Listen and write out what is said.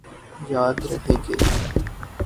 یاد رہے کہ